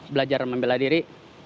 belajar membela diri